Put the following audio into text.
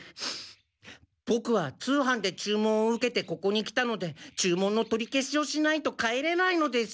ボクは通販で注文を受けてここに来たので注文の取り消しをしないと帰れないのです。